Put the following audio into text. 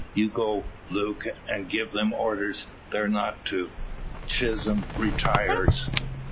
You go, Luke, and give them orders they're not to." Chisholm retires.